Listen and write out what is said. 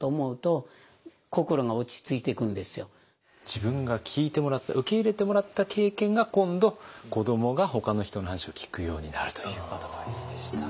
自分が聞いてもらった受け入れてもらった経験が今度子どもがほかの人の話を聞くようになるというアドバイスでした。